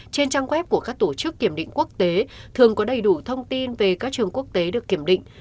trên trang web của các tổ chức kiểm định quốc tế thường có đầy đủ thông tin về các trường quốc tế được kiểm định